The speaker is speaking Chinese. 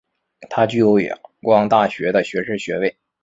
他具有仰光大学的学士学位。